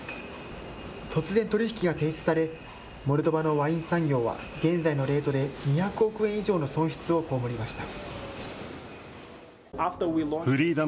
突然、取り引きが停止され、モルドバのワイン産業は、現在のレートで２００億円以上の損失をこうむりました。